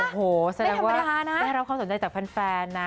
โอ้โหแสดงว่าได้รับความสนใจจากแฟนนะ